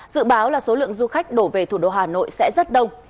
dự báo là số lượng du khách đổ về thủ đô hà nội sẽ rất đông